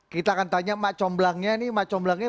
kita akan tanya mak comblangnya nih